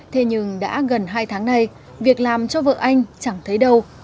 thế nhưng đã gần hai tháng nay việc làm cho vợ anh chẳng thấy đâu